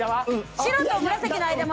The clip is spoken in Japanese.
白と紫の間に。